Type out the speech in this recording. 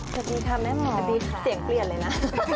สวัสดีค่ะแม่หมอสวัสดีค่ะเสียงเปลี่ยนเลยนะ